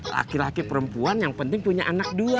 laki laki perempuan yang penting punya anak dua